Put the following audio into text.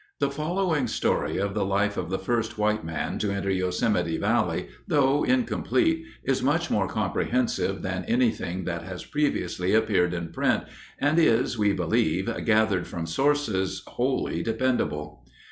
The following story of the life of the first white man to enter Yosemite Valley, though incomplete, is much more comprehensive than anything that has previously appeared in print, and is, we believe, gathered from sources wholly dependable.